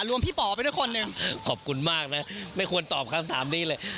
พี่ป๋อไปด้วยคนหนึ่งขอบคุณมากนะไม่ควรตอบคำถามนี้เลย